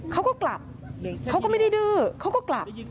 เขาก็กลับเขาก็ไม่ได้ดื้อเขาก็กลับ